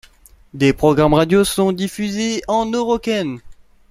Des programmes radio sont diffusés en oroqen.